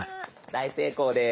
大成功です。